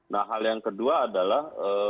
nah hal yang kedua adalah